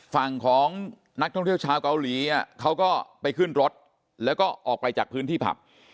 ฝั่งของนักท่องเที่ยวชาวเกาหลีเขาก็ไปขึ้นรถแล้วก็ออกไปจากพื้นที่ผับ